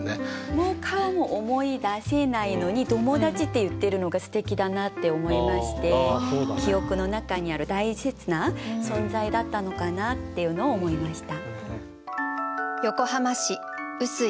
「もう顔も思い出せない」のに「友達」って言ってるのがすてきだなって思いまして記憶の中にある大切な存在だったのかなっていうのを思いました。